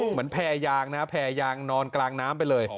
แพรยางนะแพรยางนอนกลางน้ำไปเลย